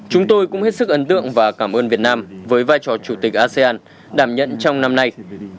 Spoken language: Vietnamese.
chúng tôi cũng hết sức ấn tượng và cảm ơn việt nam với vai trò chủ tịch asean đảm nhận trong năm nay